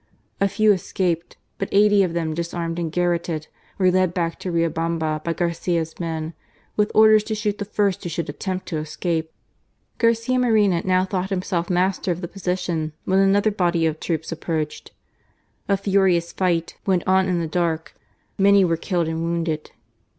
A few escaped, but eighty of them, disarmed and garrotted, were led back to Riobamba by Garcia's men with orders to shoot the first who should attempt to escape. Garcia Moreno now thought himself master of THE DRAMA OF RIOBAMBA. 87 the position, when another body of troops approached. A furious fight went on in the dark, many were killed and wounded.